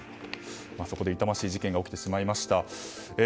そこで痛ましい事件が起きてしまいました。